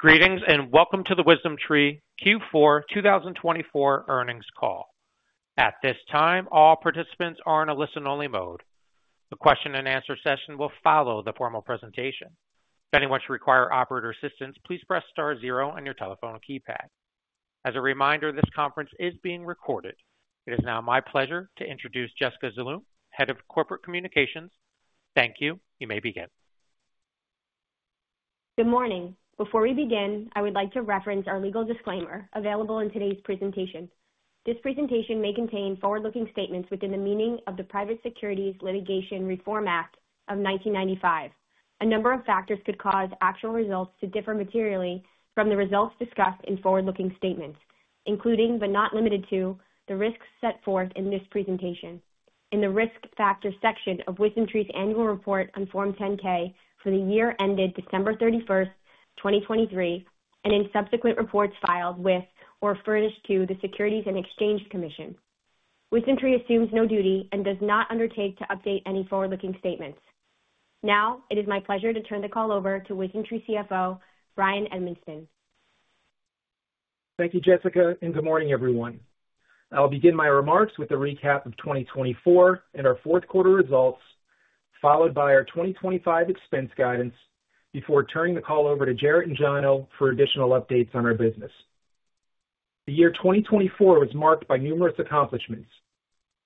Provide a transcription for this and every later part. Greetings and welcome to the WisdomTree Q4 2024 Earnings Call. At this time, all participants are in a listen-only mode. The question-and-answer session will follow the formal presentation. If anyone should require operator assistance, please press star 0 on your telephone keypad. As a reminder, this conference is being recorded. It is now my pleasure to introduce Jessica Zaloom, Head of Corporate Communications. Thank you. You may begin. Good morning. Before we begin, I would like to reference our legal disclaimer available in today's presentation. This presentation may contain forward-looking statements within the meaning of the Private Securities Litigation Reform Act of 1995. A number of factors could cause actual results to differ materially from the results discussed in forward-looking statements, including, but not limited to, the risks set forth in this presentation. In the risk factor section of WisdomTree's annual report on Form 10-K for the year ended December 31st, 2023, and in subsequent reports filed with or furnished to the Securities and Exchange Commission, WisdomTree assumes no duty and does not undertake to update any forward-looking statements. Now, it is my pleasure to turn the call over to WisdomTree CFO, Bryan Edmiston. Thank you, Jessica, and good morning, everyone. I'll begin my remarks with a recap of 2024 and our fourth quarter results, followed by our 2025 expense guidance, before turning the call over to Jarrett and Jono for additional updates on our business. The year 2024 was marked by numerous accomplishments.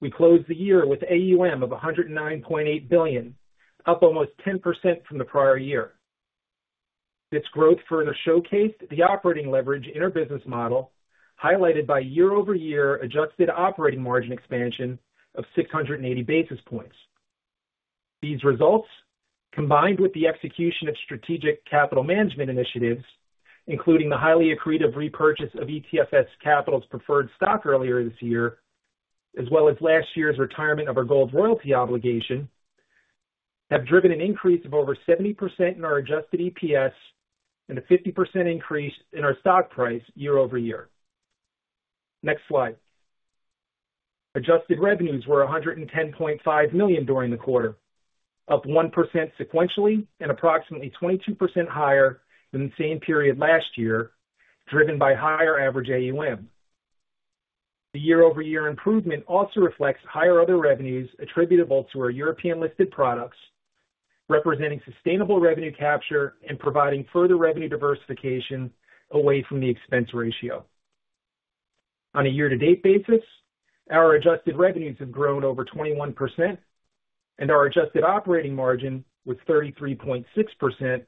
We closed the year with AUM of $109.8 billion, up almost 10% from the prior year. This growth further showcased the operating leverage in our business model, highlighted by year-over-year adjusted operating margin expansion of 680 basis points. These results, combined with the execution of strategic capital management initiatives, including the highly accretive repurchase of ETFS Capital's preferred stock earlier this year, as well as last year's retirement of our gold royalty obligation, have driven an increase of over 70% in our adjusted EPS and a 50% increase in our stock price year-over-year. Next slide. Adjusted revenues were $110.5 million during the quarter, up 1% sequentially and approximately 22% higher than the same period last year, driven by higher average AUM. The year-over-year improvement also reflects higher other revenues attributable to our European-listed products, representing sustainable revenue capture and providing further revenue diversification away from the expense ratio. On a year-to-date basis, our adjusted revenues have grown over 21%, and our adjusted operating margin was 33.6%,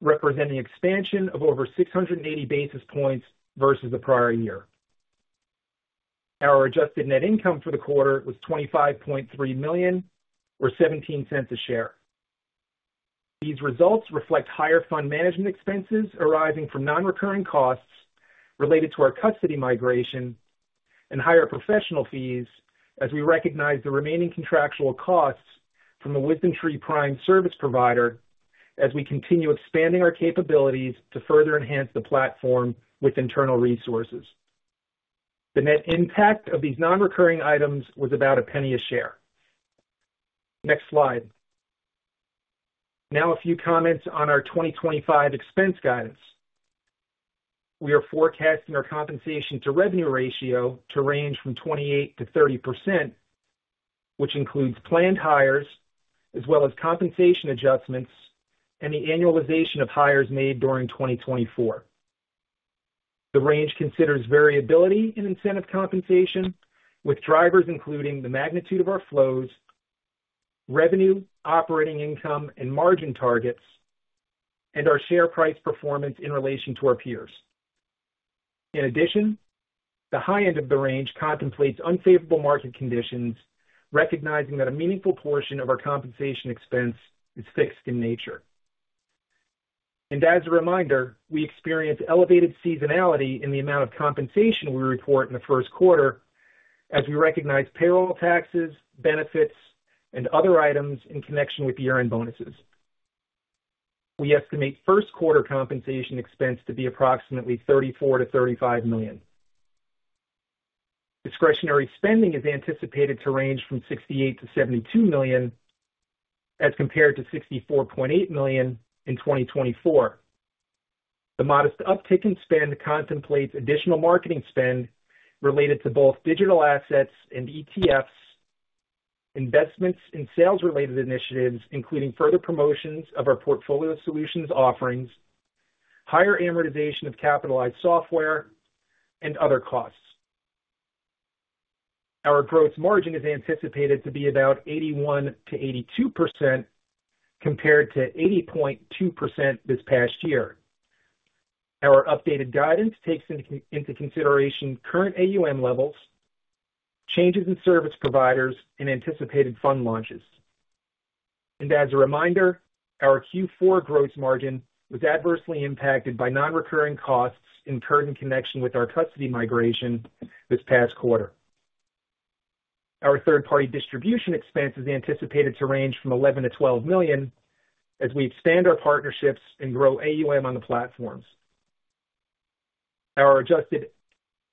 representing expansion of over 680 basis points versus the prior year. Our adjusted net income for the quarter was $25.3 million, or $0.17 a share. These results reflect higher fund management expenses arising from non-recurring costs related to our custody migration and higher professional fees, as we recognize the remaining contractual costs from the WisdomTree Prime service provider, as we continue expanding our capabilities to further enhance the platform with internal resources. The net impact of these non-recurring items was about $0.01 a share. Next slide. Now, a few comments on our 2025 expense guidance. We are forecasting our compensation-to-revenue ratio to range from 28%-30%, which includes planned hires as well as compensation adjustments and the annualization of hires made during 2024. The range considers variability in incentive compensation, with drivers including the magnitude of our flows, revenue, operating income, and margin targets, and our share price performance in relation to our peers. In addition, the high end of the range contemplates unfavorable market conditions, recognizing that a meaningful portion of our compensation expense is fixed in nature. As a reminder, we experience elevated seasonality in the amount of compensation we report in the first quarter, as we recognize payroll taxes, benefits, and other items in connection with year-end bonuses. We estimate first quarter compensation expense to be approximately $34-$35 million. Discretionary spending is anticipated to range from $68-$72 million as compared to $64.8 million in 2024. The modest uptick in spend contemplates additional marketing spend related to both digital assets and ETFs, investments in sales-related initiatives, including further promotions of our portfolio solutions offerings, higher amortization of capitalized software, and other costs. Our gross margin is anticipated to be about 81%-82% compared to 80.2% this past year. Our updated guidance takes into consideration current AUM levels, changes in service providers, and anticipated fund launches. As a reminder, our Q4 gross margin was adversely impacted by non-recurring costs incurred in connection with our custody migration this past quarter. Our third-party distribution expense is anticipated to range from $11-$12 million as we expand our partnerships and grow AUM on the platforms.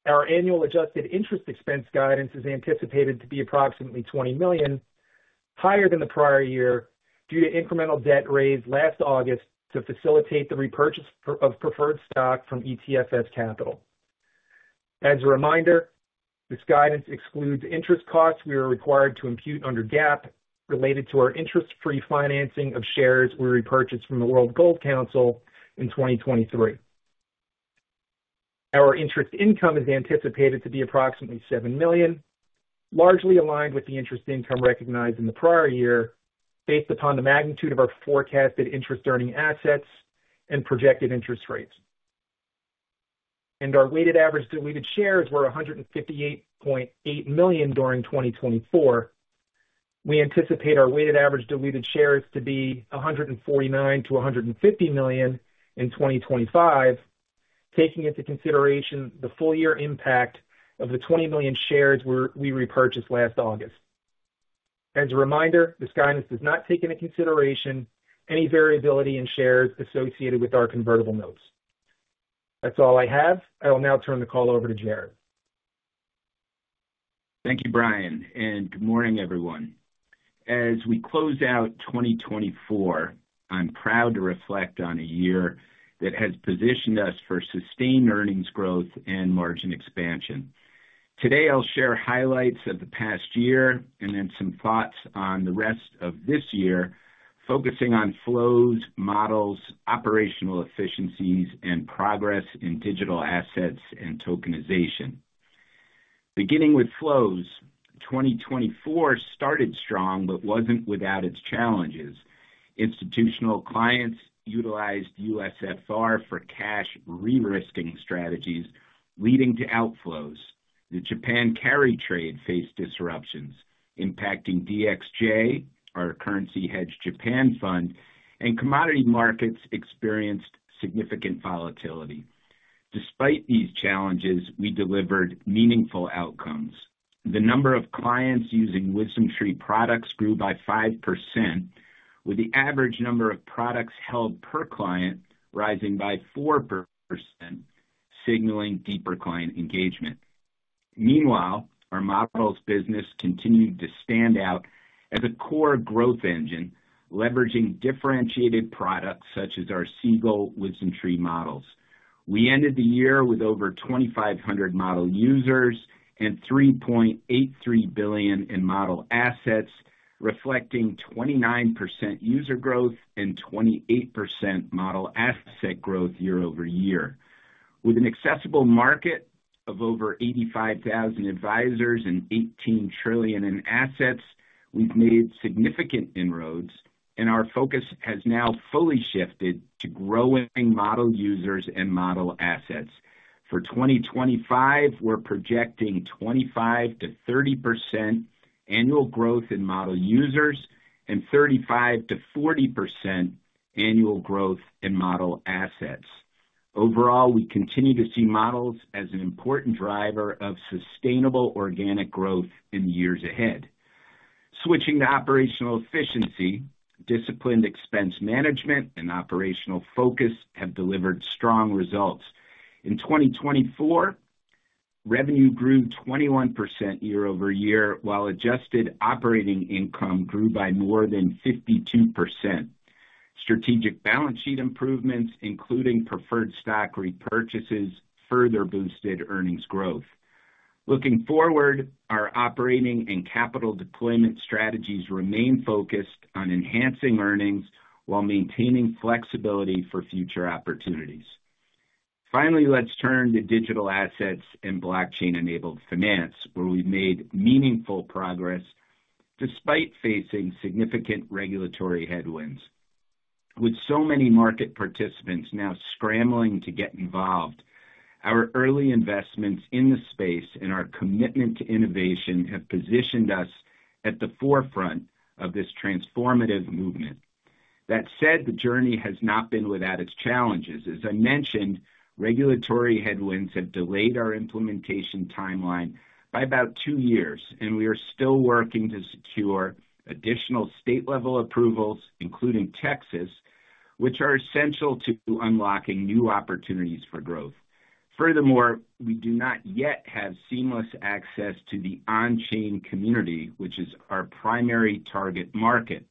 Our annual adjusted interest expense guidance is anticipated to be approximately $20 million, higher than the prior year due to incremental debt raised last August to facilitate the repurchase of preferred stock from ETFS Capital. As a reminder, this guidance excludes interest costs we are required to impute under GAAP related to our interest-free financing of shares we repurchased from the World Gold Council in 2023. Our interest income is anticipated to be approximately $7 million, largely aligned with the interest income recognized in the prior year based upon the magnitude of our forecasted interest-earning assets and projected interest rates. And our weighted average diluted shares were 158.8 million during 2024. We anticipate our weighted average diluted shares to be 149-150 million in 2025, taking into consideration the full-year impact of the 20 million shares we repurchased last August. As a reminder, this guidance does not take into consideration any variability in shares associated with our convertible notes. That's all I have. I will now turn the call over to Jarrett. Thank you, Bryan, and good morning, everyone. As we close out 2024, I'm proud to reflect on a year that has positioned us for sustained earnings growth and margin expansion. Today, I'll share highlights of the past year and then some thoughts on the rest of this year, focusing on flows, models, operational efficiencies, and progress in digital assets and tokenization. Beginning with flows, 2024 started strong but wasn't without its challenges. Institutional clients utilized USFR for cash de-risking strategies, leading to outflows. The Japan carry trade faced disruptions, impacting DXJ, our currency hedged Japan fund, and commodity markets experienced significant volatility. Despite these challenges, we delivered meaningful outcomes. The number of clients using WisdomTree products grew by 5%, with the average number of products held per client rising by 4%, signaling deeper client engagement. Meanwhile, our models business continued to stand out as a core growth engine, leveraging differentiated products such as our Siegel-WisdomTree models. We ended the year with over 2,500 model users and $3.83 billion in model assets, reflecting 29% user growth and 28% model asset growth year-over-year. With an accessible market of over 85,000 advisors and $18 trillion in assets, we've made significant inroads, and our focus has now fully shifted to growing model users and model assets. For 2025, we're projecting 25%-30% annual growth in model users and 35%-40% annual growth in model assets. Overall, we continue to see models as an important driver of sustainable organic growth in the years ahead. Switching to operational efficiency, disciplined expense management, and operational focus have delivered strong results. In 2024, revenue grew 21% year-over-year, while adjusted operating income grew by more than 52%. Strategic balance sheet improvements, including preferred stock repurchases, further boosted earnings growth. Looking forward, our operating and capital deployment strategies remain focused on enhancing earnings while maintaining flexibility for future opportunities. Finally, let's turn to digital assets and blockchain-enabled finance, where we've made meaningful progress despite facing significant regulatory headwinds. With so many market participants now scrambling to get involved, our early investments in the space and our commitment to innovation have positioned us at the forefront of this transformative movement. That said, the journey has not been without its challenges. As I mentioned, regulatory headwinds have delayed our implementation timeline by about two years, and we are still working to secure additional state-level approvals, including Texas, which are essential to unlocking new opportunities for growth. Furthermore, we do not yet have seamless access to the on-chain community, which is our primary target market.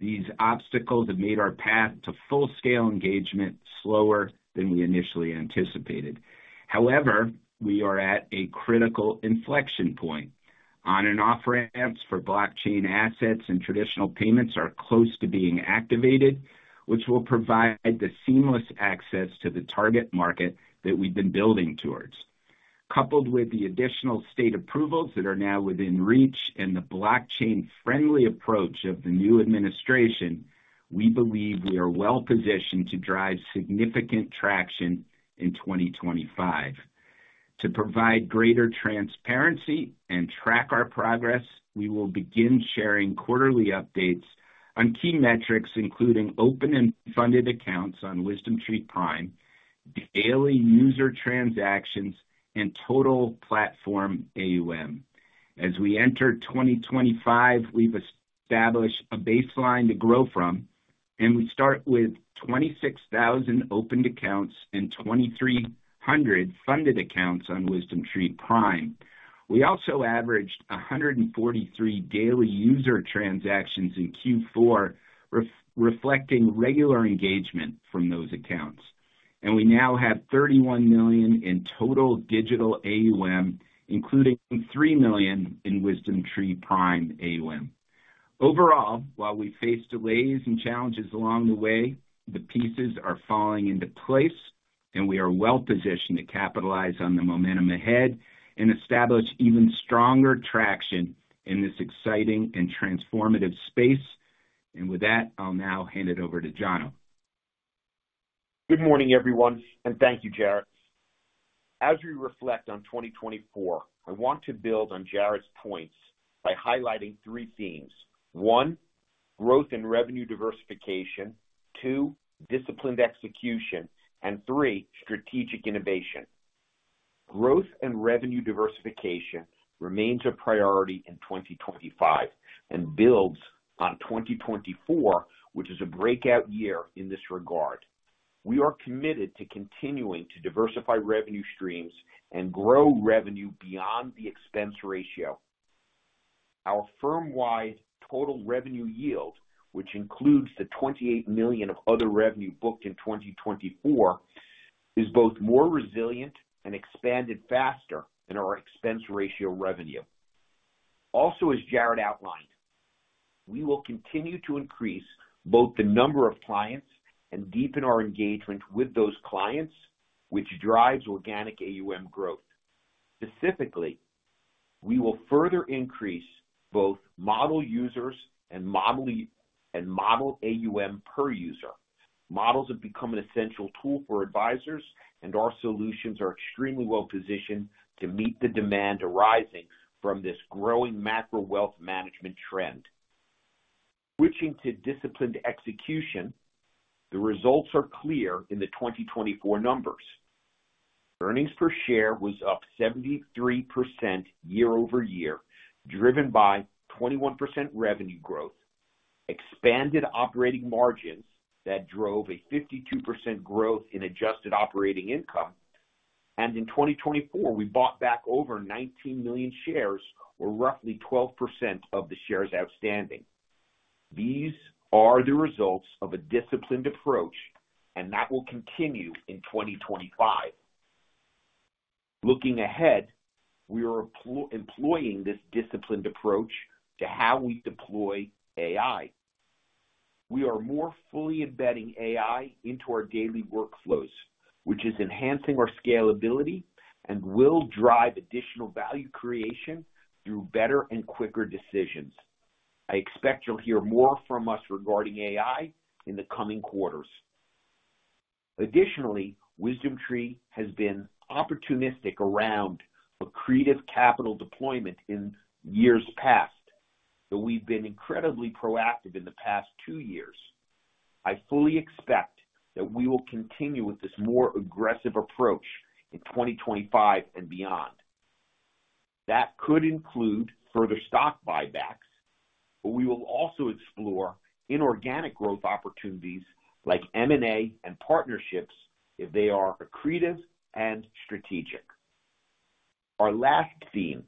These obstacles have made our path to full-scale engagement slower than we initially anticipated. However, we are at a critical inflection point. On- and off-ramps for blockchain assets and traditional payments are close to being activated, which will provide the seamless access to the target market that we've been building towards. Coupled with the additional state approvals that are now within reach and the blockchain-friendly approach of the new administration, we believe we are well-positioned to drive significant traction in 2025. To provide greater transparency and track our progress, we will begin sharing quarterly updates on key metrics, including open and funded accounts on WisdomTree Prime, daily user transactions, and total platform AUM. As we enter 2025, we've established a baseline to grow from, and we start with 26,000 opened accounts and 2,300 funded accounts on WisdomTree Prime. We also averaged 143 daily user transactions in Q4, reflecting regular engagement from those accounts. And we now have $31 million in total digital AUM, including $3 million in WisdomTree Prime AUM. Overall, while we face delays and challenges along the way, the pieces are falling into place, and we are well-positioned to capitalize on the momentum ahead and establish even stronger traction in this exciting and transformative space. And with that, I'll now hand it over to Jono. Good morning, everyone, and thank you, Jarrett. As we reflect on 2024, I want to build on Jarrett's points by highlighting three themes. One, growth and revenue diversification. Two, disciplined execution. And three, strategic innovation. Growth and revenue diversification remains a priority in 2025 and builds on 2024, which is a breakout year in this regard. We are committed to continuing to diversify revenue streams and grow revenue beyond the expense ratio. Our firm-wide total revenue yield, which includes the $28 million of other revenue booked in 2024, is both more resilient and expanded faster than our expense ratio revenue. Also, as Jarrett outlined, we will continue to increase both the number of clients and deepen our engagement with those clients, which drives organic AUM growth. Specifically, we will further increase both model users and model AUM per user. Models have become an essential tool for advisors, and our solutions are extremely well-positioned to meet the demand arising from this growing macro wealth management trend. Switching to disciplined execution, the results are clear in the 2024 numbers. Earnings per share was up 73% year-over-year, driven by 21% revenue growth, expanded operating margins that drove a 52% growth in adjusted operating income, and in 2024, we bought back over 19 million shares, or roughly 12% of the shares outstanding. These are the results of a disciplined approach, and that will continue in 2025. Looking ahead, we are employing this disciplined approach to how we deploy AI. We are more fully embedding AI into our daily workflows, which is enhancing our scalability and will drive additional value creation through better and quicker decisions. I expect you'll hear more from us regarding AI in the coming quarters. Additionally, WisdomTree has been opportunistic around a creative capital deployment in years past, though we've been incredibly proactive in the past two years. I fully expect that we will continue with this more aggressive approach in 2025 and beyond. That could include further stock buybacks, but we will also explore inorganic growth opportunities like M&A and partnerships if they are accretive and strategic. Our last theme,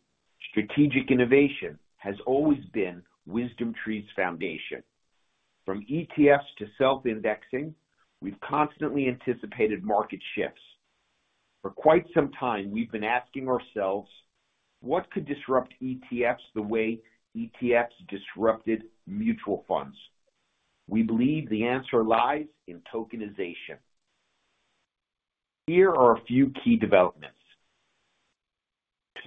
strategic innovation, has always been WisdomTree's foundation. From ETFs to self-indexing, we've constantly anticipated market shifts. For quite some time, we've been asking ourselves, what could disrupt ETFs the way ETFs disrupted mutual funds? We believe the answer lies in tokenization. Here are a few key developments.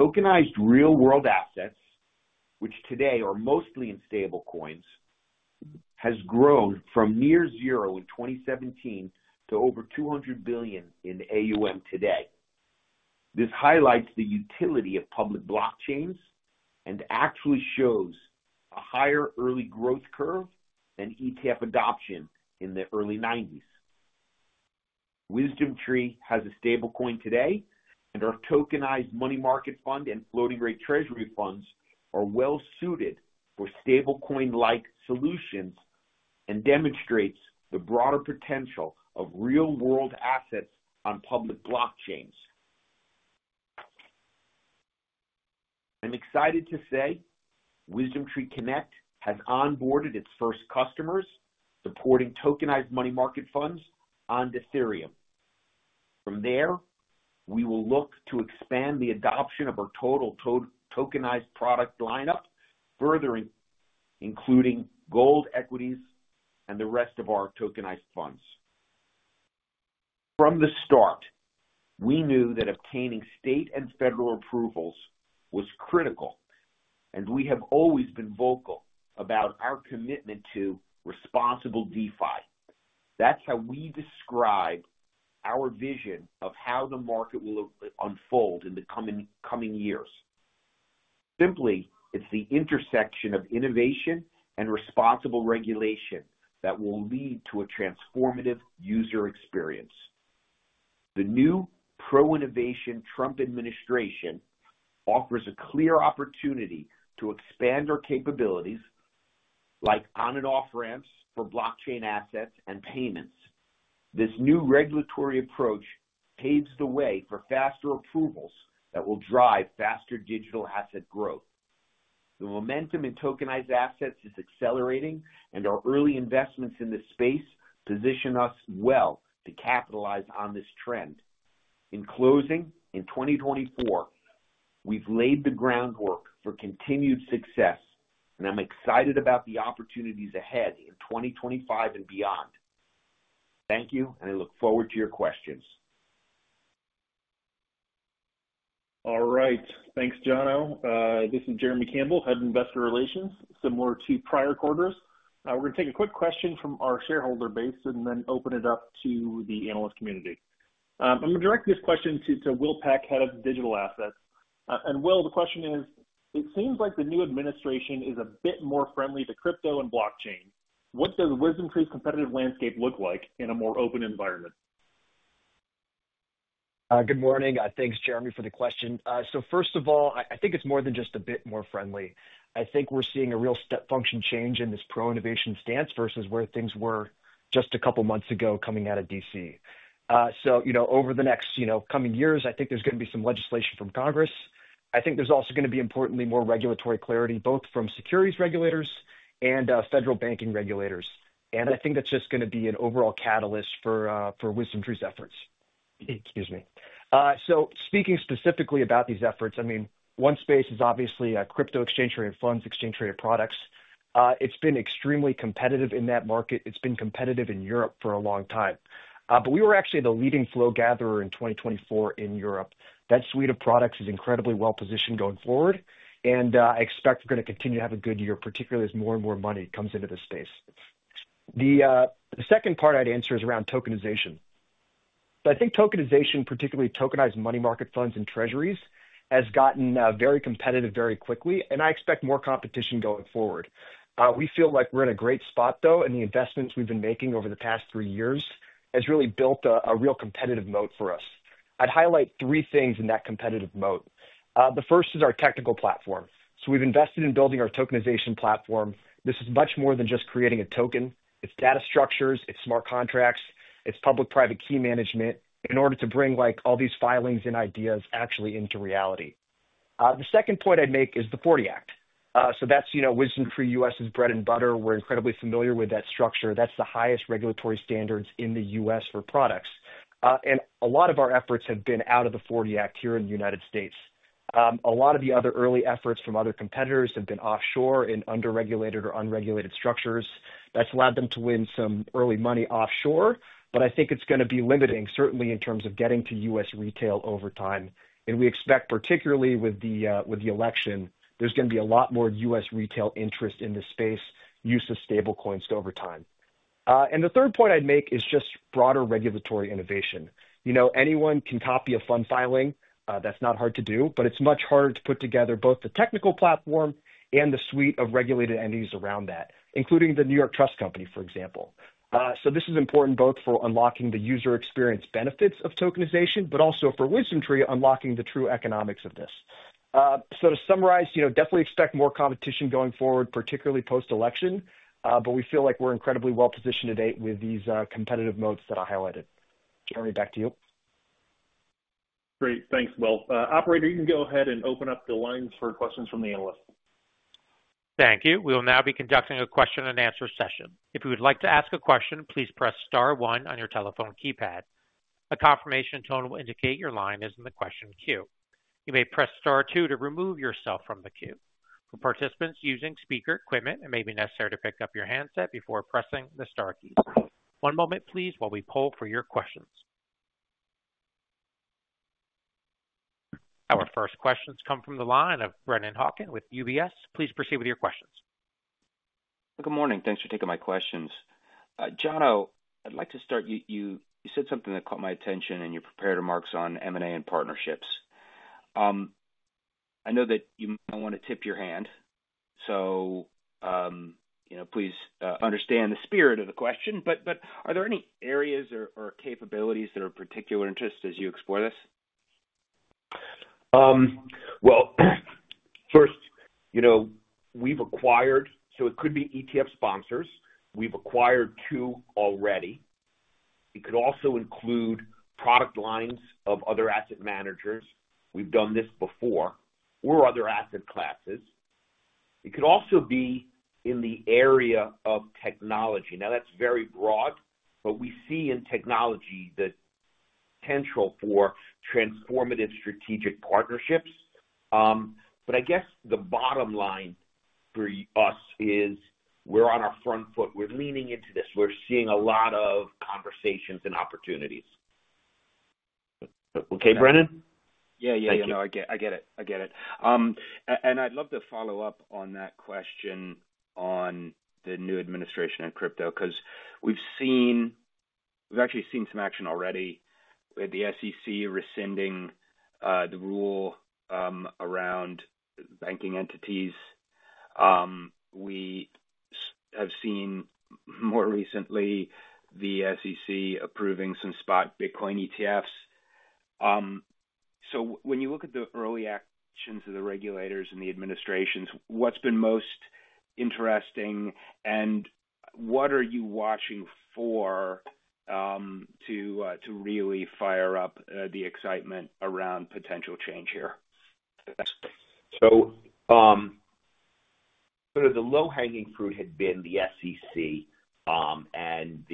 Tokenized real-world assets, which today are mostly in stablecoins, have grown from near zero in 2017 to over $200 billion in AUM today. This highlights the utility of public blockchains and actually shows a higher early growth curve than ETF adoption in the early '90s. WisdomTree has a stablecoin today, and our tokenized money market fund and floating-rate treasury funds are well-suited for stablecoin-like solutions and demonstrate the broader potential of real-world assets on public blockchains. I'm excited to say WisdomTree Connect has onboarded its first customers supporting tokenized money market funds on Ethereum. From there, we will look to expand the adoption of our total tokenized product lineup further, including gold equities and the rest of our tokenized funds. From the start, we knew that obtaining state and federal approvals was critical, and we have always been vocal about our commitment to responsible DeFi. That's how we describe our vision of how the market will unfold in the coming years. Simply, it's the intersection of innovation and responsible regulation that will lead to a transformative user experience. The new pro-innovation Trump administration offers a clear opportunity to expand our capabilities, like on-and-off ramps for blockchain assets and payments. This new regulatory approach paves the way for faster approvals that will drive faster digital asset growth. The momentum in tokenized assets is accelerating, and our early investments in this space position us well to capitalize on this trend. In closing, in 2024, we've laid the groundwork for continued success, and I'm excited about the opportunities ahead in 2025 and beyond. Thank you, and I look forward to your questions. All right. Thanks, Jono. This is Jeremy Campbell, Head of Investor Relations, similar to prior quarters. We're going to take a quick question from our shareholder base and then open it up to the analyst community. I'm going to direct this question to Will Peck, Head of Digital Assets, and Will, the question is, it seems like the new administration is a bit more friendly to crypto and blockchain. What does WisdomTree's competitive landscape look like in a more open environment? Good morning. Thanks, Jeremy, for the question. So first of all, I think it's more than just a bit more friendly. I think we're seeing a real step function change in this pro-innovation stance versus where things were just a couple of months ago coming out of DC. So over the next coming years, I think there's going to be some legislation from Congress. I think there's also going to be, importantly, more regulatory clarity both from securities regulators and federal banking regulators. And I think that's just going to be an overall catalyst for WisdomTree's efforts. Excuse me. So speaking specifically about these efforts, I mean, one space is obviously crypto exchange-traded funds, exchange-traded products. It's been extremely competitive in that market. It's been competitive in Europe for a long time. But we were actually the leading flow gatherer in 2024 in Europe. That suite of products is incredibly well-positioned going forward. And I expect we're going to continue to have a good year, particularly as more and more money comes into this space. The second part I'd answer is around tokenization. So I think tokenization, particularly tokenized money market funds and treasuries, has gotten very competitive very quickly, and I expect more competition going forward. We feel like we're in a great spot, though, and the investments we've been making over the past three years have really built a real competitive moat for us. I'd highlight three things in that competitive moat. The first is our technical platform. So we've invested in building our tokenization platform. This is much more than just creating a token. It's data structures, it's smart contracts, it's public-private key management in order to bring all these filings and ideas actually into reality. The second point I'd make is the 40 Act, so that's WisdomTree U.S.'s bread and butter. We're incredibly familiar with that structure. That's the highest regulatory standards in the U.S. for products, and a lot of our efforts have been out of the 40 Act here in the United States. A lot of the other early efforts from other competitors have been offshore in under-regulated or unregulated structures. That's allowed them to win some early money offshore, but I think it's going to be limiting, certainly in terms of getting to U.S. retail over time, and we expect, particularly with the election, there's going to be a lot more U.S. retail interest in this space, use of stablecoins over time, and the third point I'd make is just broader regulatory innovation. Anyone can copy a fund filing. That's not hard to do, but it's much harder to put together both the technical platform and the suite of regulated entities around that, including the New York Trust Company, for example. So this is important both for unlocking the user experience benefits of tokenization, but also for WisdomTree unlocking the true economics of this. So to summarize, definitely expect more competition going forward, particularly post-election, but we feel like we're incredibly well-positioned today with these competitive moats that I highlighted. Jeremy, back to you. Great. Thanks, Will. Operator, you can go ahead and open up the lines for questions from the analysts. Thank you. We will now be conducting a question-and-answer session. If you would like to ask a question, please press star one on your telephone keypad. A confirmation tone will indicate your line is in the question queue. You may press star two to remove yourself from the queue. For participants using speaker equipment, it may be necessary to pick up your handset before pressing the star key. One moment, please, while we poll for your questions. Our first questions come from the line of Brennan Hawken with UBS. Please proceed with your questions. Good morning. Thanks for taking my questions. Jono, I'd like to start. You said something that caught my attention, and you prepared remarks on M&A and partnerships. I know that you might want to tip your hand, so please understand the spirit of the question. But are there any areas or capabilities that are of particular interest as you explore this? First, we've acquired, so it could be ETF sponsors. We've acquired two already. It could also include product lines of other asset managers. We've done this before or other asset classes. It could also be in the area of technology. Now, that's very broad, but we see in technology the potential for transformative strategic partnerships. But I guess the bottom line for us is we're on our front foot. We're leaning into this. We're seeing a lot of conversations and opportunities. Okay, Brennan? Yeah, yeah, yeah. No, I get it. I get it. And I'd love to follow up on that question on the new administration and crypto because we've actually seen some action already with the SEC rescinding the rule around banking entities. We have seen more recently the SEC approving some spot Bitcoin ETFs. So when you look at the early actions of the regulators and the administrations, what's been most interesting, and what are you watching for to really fire up the excitement around potential change here? Sort of the low-hanging fruit had been the SEC and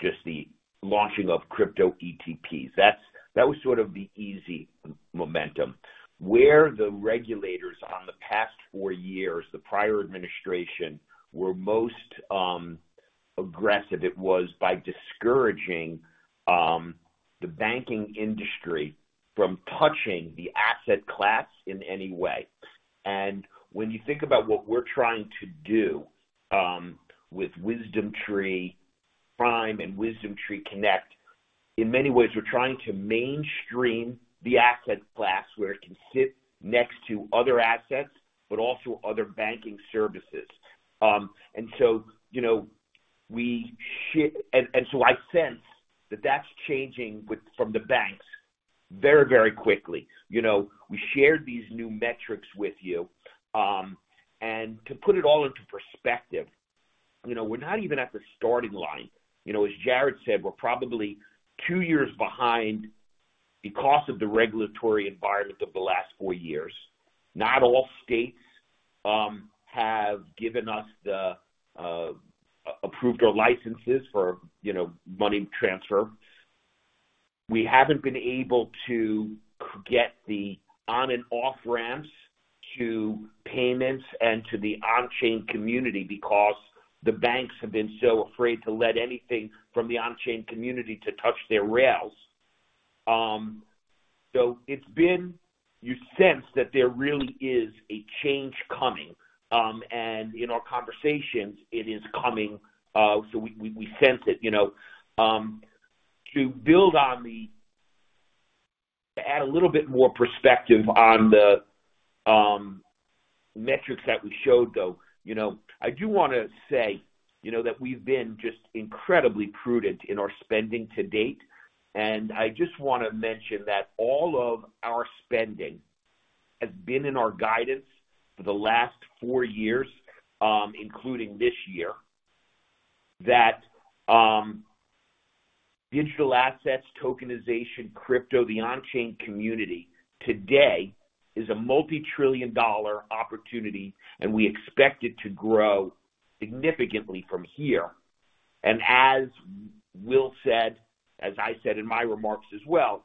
just the launching of crypto ETPs. That was sort of the easy momentum. Where the regulators over the past four years, the prior administration, were most aggressive, it was by discouraging the banking industry from touching the asset class in any way. When you think about what we're trying to do with WisdomTree Prime and WisdomTree Connect, in many ways, we're trying to mainstream the asset class where it can sit next to other assets, but also other banking services. So we see, and so I sense that that's changing from the banks very, very quickly. We shared these new metrics with you. To put it all into perspective, we're not even at the starting line. As Jarrett said, we're probably two years behind because of the regulatory environment of the last four years. Not all states have given us the approved licenses for money transfer. We haven't been able to get the on- and off-ramps to payments and to the on-chain community because the banks have been so afraid to let anything from the on-chain community to touch their rails. So it's been a sense that there really is a change coming. And in our conversations, it is coming. So we sense it. To build on that, to add a little bit more perspective on the metrics that we showed, though, I do want to say that we've been just incredibly prudent in our spending to date. And I just want to mention that all of our spending has been in our guidance for the last four years, including this year, that digital assets, tokenization, crypto, the on-chain community today is a multi-trillion-dollar opportunity, and we expect it to grow significantly from here. As Will said, as I said in my remarks as well,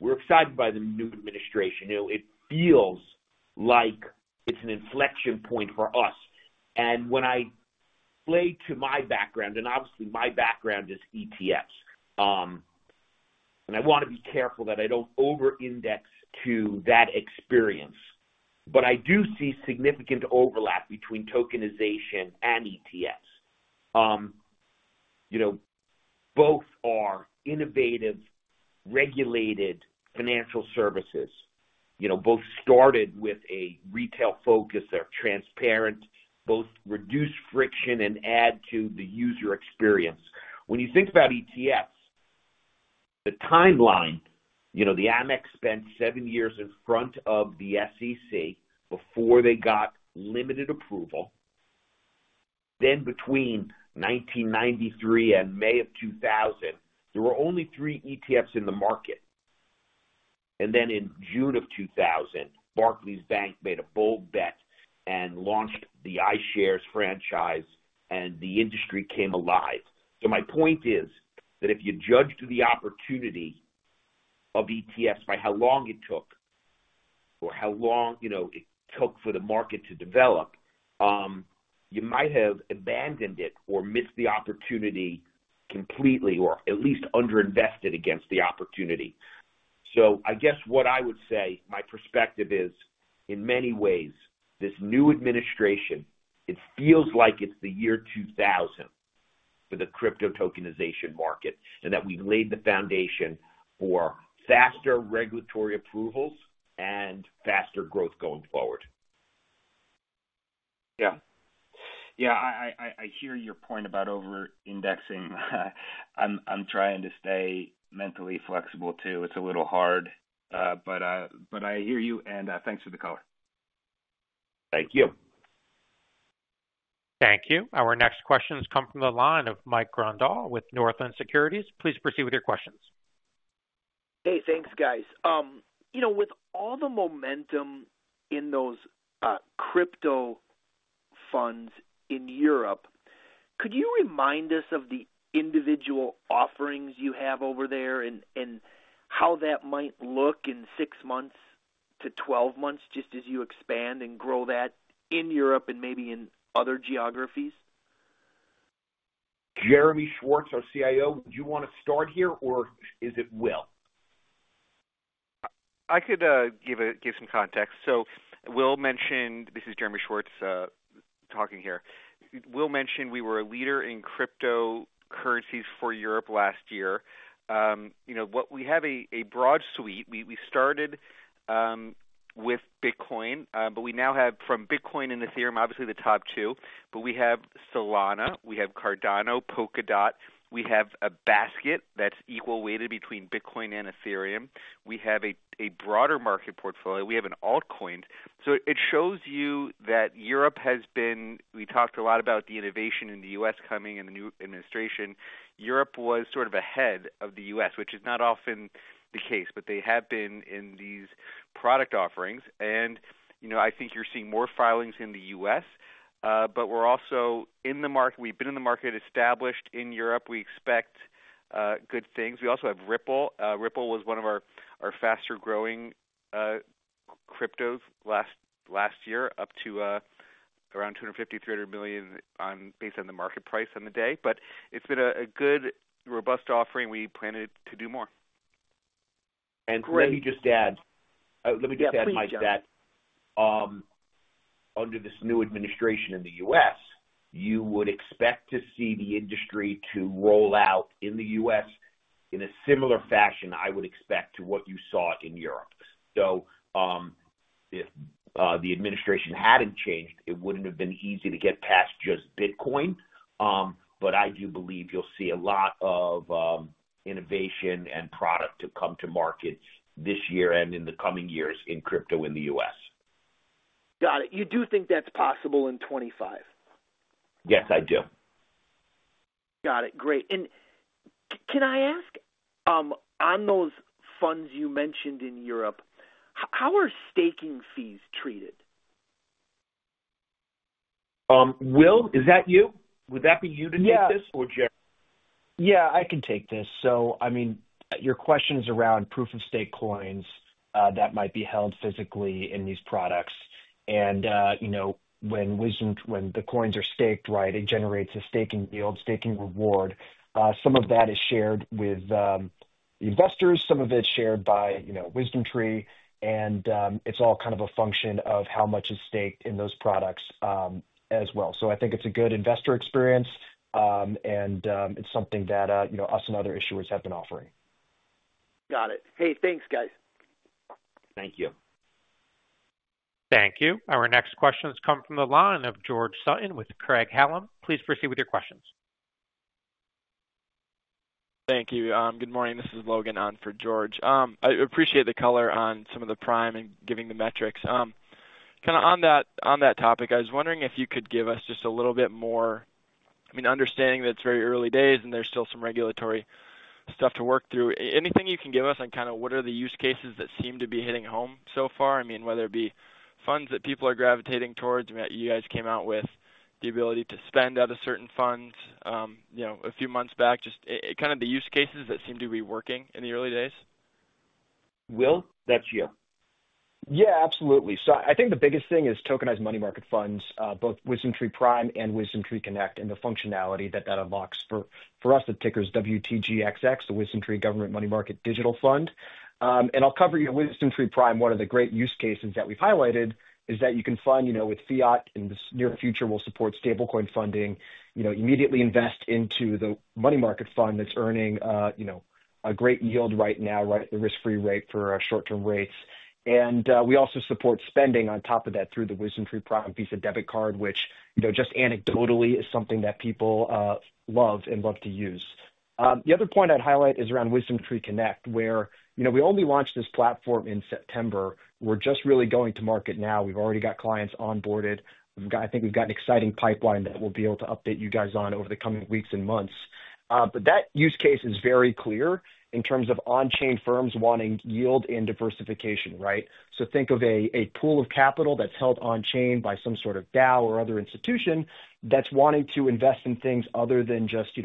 we're excited by the new administration. It feels like it's an inflection point for us. When I relate to my background, and obviously, my background is ETFs, and I want to be careful that I don't over-index to that experience, but I do see significant overlap between tokenization and ETFs. Both are innovative, regulated financial services, both started with a retail focus. They're transparent, both reduce friction and add to the user experience. When you think about ETFs, the timeline, the AMEX spent seven years in front of the SEC before they got limited approval. Then between 1993 and May of 2000, there were only three ETFs in the market. Then in June of 2000, Barclays Bank made a bold bet and launched the iShares franchise, and the industry came alive. So my point is that if you judge the opportunity of ETFs by how long it took or how long it took for the market to develop, you might have abandoned it or missed the opportunity completely or at least under-invested against the opportunity. So I guess what I would say. My perspective is, in many ways, this new administration. It feels like it's the year 2000 for the crypto tokenization market and that we've laid the foundation for faster regulatory approvals and faster growth going forward. Yeah. Yeah. I hear your point about over-indexing. I'm trying to stay mentally flexible too. It's a little hard, but I hear you, and thanks for the call. Thank you. Thank you. Our next questions come from the line of Mike Grondahl with Northland Securities. Please proceed with your questions. Hey, thanks, guys. With all the momentum in those crypto funds in Europe, could you remind us of the individual offerings you have over there and how that might look in six months to 12 months just as you expand and grow that in Europe and maybe in other geographies? Jeremy Schwartz, our CIO, would you want to start here, or is it Will? I could give some context. Will mentioned this is Jeremy Schwartz talking here. Will mentioned we were a leader in cryptocurrencies for Europe last year. We have a broad suite. We started with Bitcoin, but we now have from Bitcoin and Ethereum, obviously the top two, but we have Solana, we have Cardano, Polkadot, we have a basket that's equal weighted between Bitcoin and Ethereum. We have a broader market portfolio. We have an altcoin. It shows you that Europe has been. We talked a lot about the innovation in the U.S. coming and the new administration. Europe was sort of ahead of the U.S., which is not often the case, but they have been in these product offerings, and I think you're seeing more filings in the U.S., but we're also in the market. We've been in the market, established in Europe. We expect good things. We also have Ripple. Ripple was one of our faster-growing cryptos last year, up to around $250-$300 million based on the market price on the day. But it's been a good, robust offering. We plan to do more. And let me just add my bet under this new administration in the U.S., you would expect to see the industry to roll out in the U.S. in a similar fashion, I would expect, to what you saw in Europe. So if the administration hadn't changed, it wouldn't have been easy to get past just Bitcoin. But I do believe you'll see a lot of innovation and product to come to market this year and in the coming years in crypto in the U.S. Got it. You do think that's possible in 2025? Yes, I do. Got it. Great. And can I ask, on those funds you mentioned in Europe, how are staking fees treated? Will, is that you? Would that be you to take this, or Jeremy? Yeah, I can take this. So I mean, your question is around proof-of-stake coins that might be held physically in these products. And when the coins are staked, right, it generates a staking yield, staking reward. Some of that is shared with the investors. Some of it's shared by WisdomTree. And it's all kind of a function of how much is staked in those products as well. So I think it's a good investor experience, and it's something that us and other issuers have been offering. Got it. Hey, thanks, guys. Thank you. Thank you. Our next questions come from the line of George Sutton with Craig-Hallum. Please proceed with your questions. Thank you. Good morning. This is Logan on for George Sutton. I appreciate the color on some of the Prime and giving the metrics. Kind of on that topic, I was wondering if you could give us just a little bit more, I mean, understanding that it's very early days and there's still some regulatory stuff to work through. Anything you can give us on kind of what are the use cases that seem to be hitting home so far? I mean, whether it be funds that people are gravitating towards. I mean, you guys came out with the ability to spend out of certain funds a few months back. Just kind of the use cases that seem to be working in the early days. Will, that's you. Yeah, absolutely. So I think the biggest thing is tokenized money market funds, both WisdomTree Prime and WisdomTree Connect, and the functionality that that unlocks for us. The ticker is WTGXX, the WisdomTree Government Money Market Digital Fund. And I'll cover your WisdomTree Prime. One of the great use cases that we've highlighted is that you can fund with fiat in the near future. We'll support stablecoin funding, immediately invest into the money market fund that's earning a great yield right now, right at the risk-free rate for short-term rates. And we also support spending on top of that through the WisdomTree Prime Visa Debit Card, which just anecdotally is something that people love and love to use. The other point I'd highlight is around WisdomTree Connect, where we only launched this platform in September. We're just really going to market now. We've already got clients onboarded. I think we've got an exciting pipeline that we'll be able to update you guys on over the coming weeks and months. But that use case is very clear in terms of on-chain firms wanting yield and diversification, right? So think of a pool of capital that's held on-chain by some sort of DAO or other institution that's wanting to invest in things other than just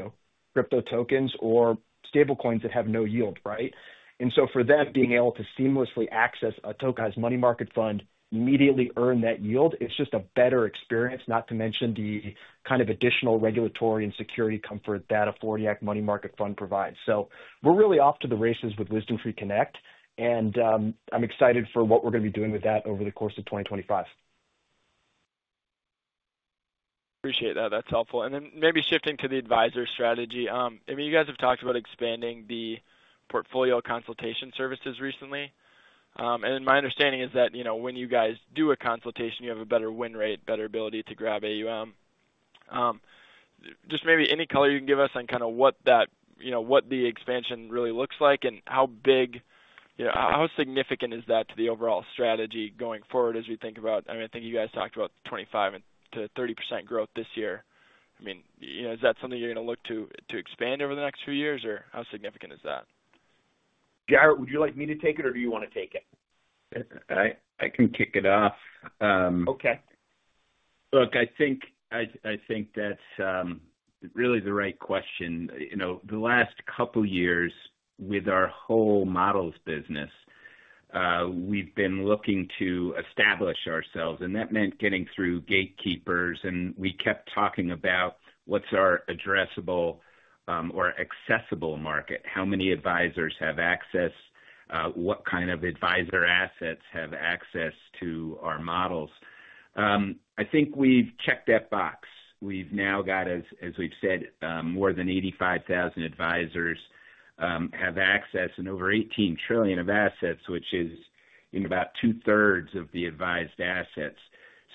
crypto tokens or stablecoins that have no yield, right? And so for them being able to seamlessly access a tokenized money market fund, immediately earn that yield, it's just a better experience, not to mention the kind of additional regulatory and security comfort that a 40 Act money market fund provides. So we're really off to the races with WisdomTree Connect, and I'm excited for what we're going to be doing with that over the course of 2025. Appreciate that. That's helpful, and then maybe shifting to the advisor strategy. I mean, you guys have talked about expanding the portfolio consultation services recently, and my understanding is that when you guys do a consultation, you have a better win rate, better ability to grab AUM. Just maybe any color you can give us on kind of what the expansion really looks like and how significant is that to the overall strategy going forward as we think about, I mean, I think you guys talked about 25%-30% growth this year. I mean, is that something you're going to look to expand over the next few years, or how significant is that? Jarrett, would you like me to take it, or do you want to take it? I can kick it off. Okay. Look, I think that's really the right question. The last couple of years with our whole models business, we've been looking to establish ourselves. And that meant getting through gatekeepers. And we kept talking about what's our addressable or accessible market? How many advisors have access? What kind of advisor assets have access to our models? I think we've checked that box. We've now got, as we've said, more than 85,000 advisors have access and over 18 trillion of assets, which is about two-thirds of the advised assets.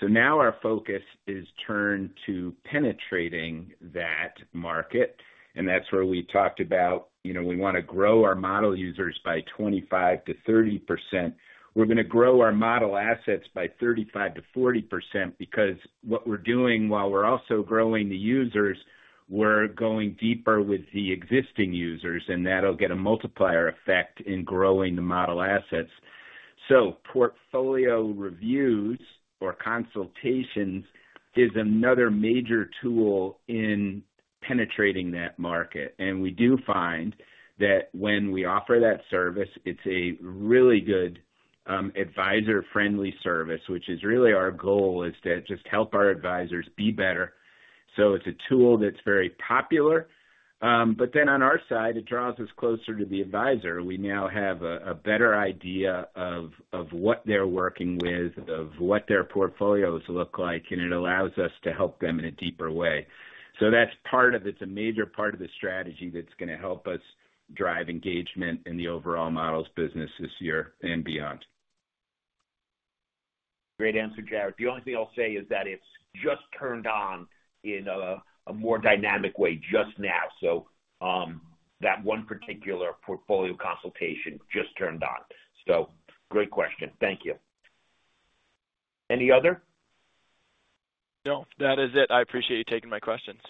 So now our focus is turned to penetrating that market. And that's where we talked about we want to grow our model users by 25%-30%. We're going to grow our model assets by 35%-40% because what we're doing while we're also growing the users, we're going deeper with the existing users, and that'll get a multiplier effect in growing the model assets, so portfolio reviews or consultations is another major tool in penetrating that market, and we do find that when we offer that service, it's a really good advisor-friendly service, which is really our goal is to just help our advisors be better, so it's a tool that's very popular, but then on our side, it draws us closer to the advisor. We now have a better idea of what they're working with, of what their portfolios look like, and it allows us to help them in a deeper way. So that's part of it. It's a major part of the strategy that's going to help us drive engagement in the overall models business this year and beyond. Great answer, Jarrett. The only thing I'll say is that it's just turned on in a more dynamic way just now. So that one particular portfolio consultation just turned on. So great question. Thank you. Any other? No, that is it. I appreciate you taking my questions.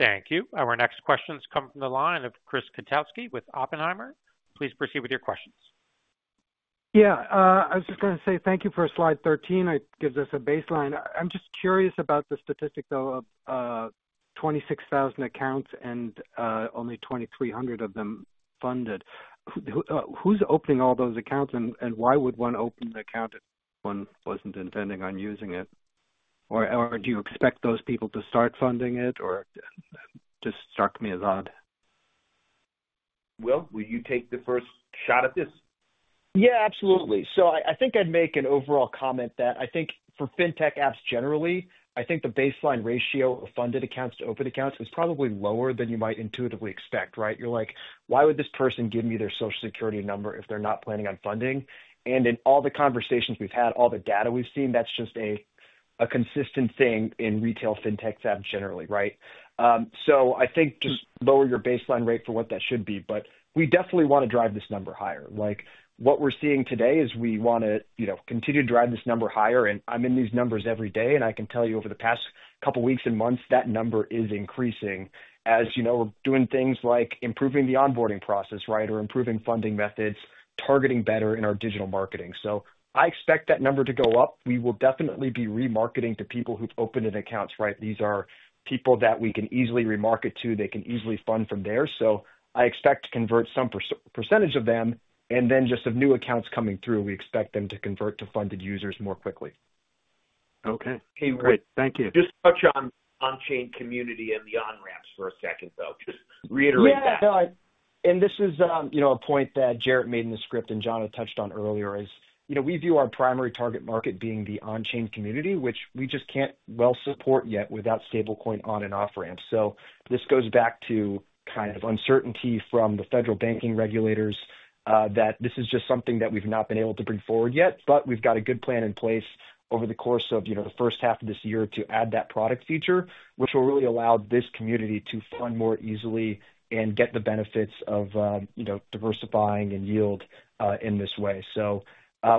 Thank you. Our next questions come from the line of Chris Kotowski with Oppenheimer. Please proceed with your questions. Yeah. I was just going to say thank you for slide 13. It gives us a baseline. I'm just curious about the statistic, though, of 26,000 accounts and only 2,300 of them funded. Who's opening all those accounts, and why would one open the account if one wasn't intending on using it? Or do you expect those people to start funding it, or just struck me as odd? Will, will you take the first shot at this? Yeah, absolutely. So I think I'd make an overall comment that I think for fintech apps generally, I think the baseline ratio of funded accounts to open accounts is probably lower than you might intuitively expect, right? You're like, "Why would this person give me their Social Security number if they're not planning on funding?" And in all the conversations we've had, all the data we've seen, that's just a consistent thing in retail fintechs generally, right? So I think just lower your baseline rate for what that should be. But we definitely want to drive this number higher. What we're seeing today is we want to continue to drive this number higher. I'm in these numbers every day, and I can tell you over the past couple of weeks and months, that number is increasing as we're doing things like improving the onboarding process, right, or improving funding methods, targeting better in our digital marketing. So I expect that number to go up. We will definitely be remarketing to people who've opened accounts, right? These are people that we can easily remarket to. They can easily fund from there. So I expect to convert some percentage of them. Then just of new accounts coming through, we expect them to convert to funded users more quickly. Okay. Hey, Will, thank you. Just touch on on-chain community and the on-ramps for a second, though. Just reiterate that. Yeah. And this is a point that Jarrett made in the script and Jonathan had touched on earlier is we view our primary target market being the on-chain community, which we just can't well support yet without stablecoin on- and off-ramps. So this goes back to kind of uncertainty from the federal banking regulators that this is just something that we've not been able to bring forward yet. But we've got a good plan in place over the course of the first half of this year to add that product feature, which will really allow this community to fund more easily and get the benefits of diversifying and yield in this way. So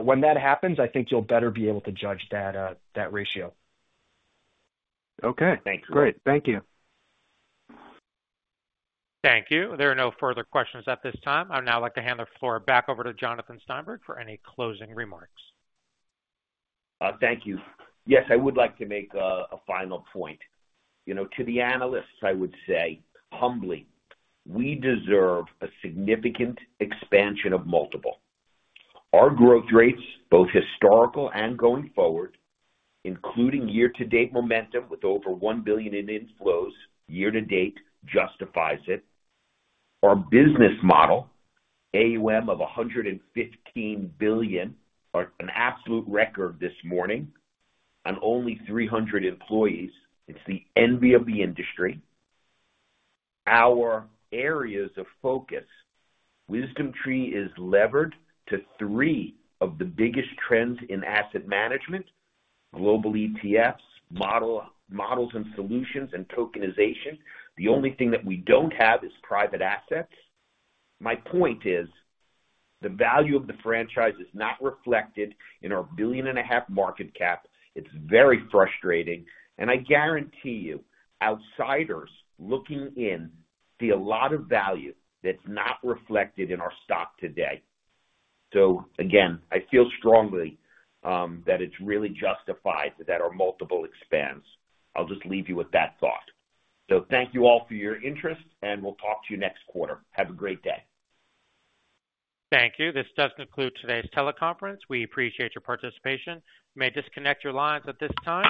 when that happens, I think you'll better be able to judge that ratio. Okay. Great. Thank you. Thank you. There are no further questions at this time. I'd now like to hand the floor back over to Jonathan Steinberg for any closing remarks. Thank you. Yes, I would like to make a final point. To the analysts, I would say, humbly, we deserve a significant expansion of multiple. Our growth rates, both historical and going forward, including year-to-date momentum with over $1 billion in inflows year-to-date, justifies it. Our business model, AUM of $115 billion, an absolute record this morning, and only 300 employees, it's the envy of the industry. Our areas of focus, WisdomTree is levered to three of the biggest trends in asset management, global ETFs, models and solutions, and tokenization. The only thing that we don't have is private assets. My point is the value of the franchise is not reflected in our $1.5 billion market cap. It's very frustrating, and I guarantee you, outsiders looking in see a lot of value that's not reflected in our stock today. Again, I feel strongly that it's really justified that our multiple expands. I'll just leave you with that thought. Thank you all for your interest, and we'll talk to you next quarter. Have a great day. Thank you. This does conclude today's teleconference. We appreciate your participation. May I disconnect your lines at this time?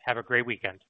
Have a great weekend.